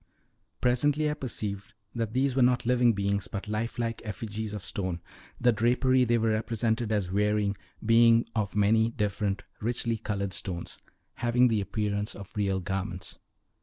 Presently I perceived that these were not living beings, but life like effigies of stone, the drapery they were represented as wearing being of many different richly colored stones, having the appearance of real garments.